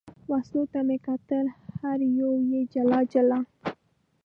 وسلو ته مې کتل، هره یوه یې جلا جلا.